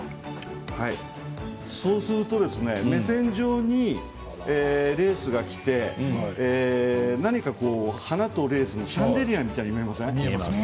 そうすると、目線上にレースがきて何か、花とレースのシャンデリアみたいに見えません？